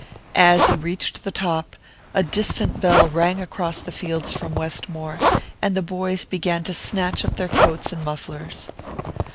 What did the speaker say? As he reached the top, a distant bell rang across the fields from Westmore, and the boys began to snatch up their coats and mufflers.